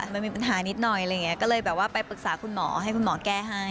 มันมีปัญหานิดหน่อยอะไรอย่างนี้ก็เลยแบบว่าไปปรึกษาคุณหมอให้คุณหมอแก้ให้